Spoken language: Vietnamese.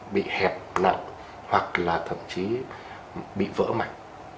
bị hẹp nặng hoặc là thậm chí bị vỡ mảnh